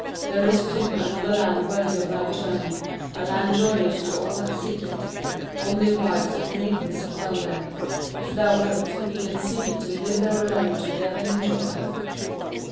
There is, too, another land worthy of thy journey, a land joyous to all that seek it. Only wives and maidens dwell there. If thou wilt, we can seek it and live there alone together in joy."